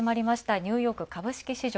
ニューヨーク株式市場。